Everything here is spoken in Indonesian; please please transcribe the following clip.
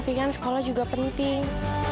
tapi kan sekolah juga penting